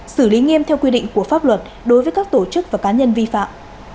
xử lý nghiêm theo quy định của pháp luật đối với các tổ chức và cá nhân vi phạm